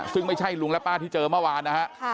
ซึ่งไม่ใช่ลุงและป้าที่เจอเมื่อวานนะฮะ